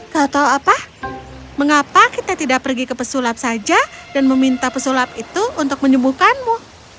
kau tahu apa mengapa kita tidak pergi ke pesulap saja dan meminta pesulap itu untuk menyembuhkanmu